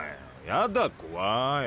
やだ怖い。